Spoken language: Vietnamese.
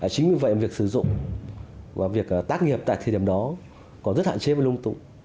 chính vì vậy việc sử dụng và việc tác nghiệp tại thời điểm đó còn rất hạn chế và lung túng